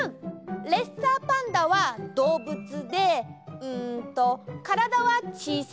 レッサーパンダはどうぶつでうんとからだはちいさい。